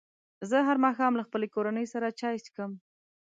زه هر ماښام له خپلې کورنۍ سره چای څښم.